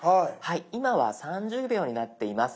今は３０秒になっています。